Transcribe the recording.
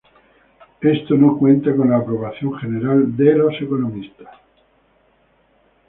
Esto no cuenta con la aprobación general de los economistas.